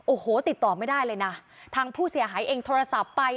โอ้โหติดต่อไม่ได้เลยนะทางผู้เสียหายเองโทรศัพท์ไป